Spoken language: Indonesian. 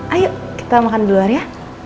ayo kita makan di luar ya